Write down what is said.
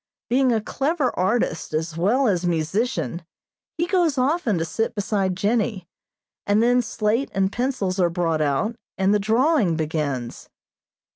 Being a clever artist as well as musician, he goes often to sit beside Jennie, and then slate and pencils are brought out, and the drawing begins.